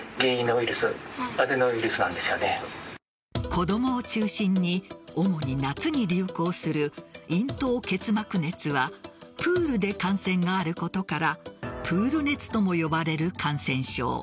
子供を中心に主に夏に流行する咽頭結膜熱はプールで感染があることからプール熱とも呼ばれる感染症。